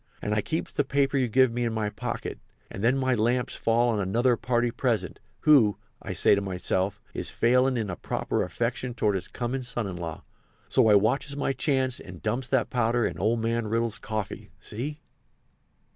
And I keeps the paper you give me in my pocket. And then my lamps fall on another party present, who, I says to myself, is failin' in a proper affection toward his comin' son in law, so I watches my chance and dumps that powder in old man Riddle's coffee—see?"